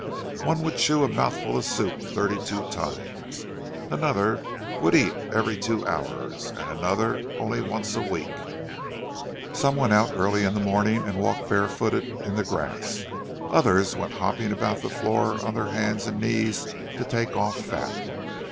One would chew a mouthful of soup thirty two times; another would eat every two hours, and another only once a week. Some went out in the early morning and walked bare footed in the grass, and others went hopping about the floor on their hands and knees to take off fat.